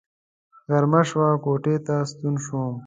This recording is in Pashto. غرمه شوه کوټې ته ستون شوم.